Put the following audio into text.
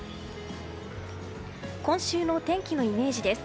今週の天気のイメージです。